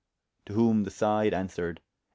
To whom the Side answered, At [p.